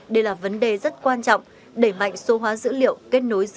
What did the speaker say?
đây là vấn đề rất quan trọng